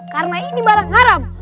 karena ini barang haram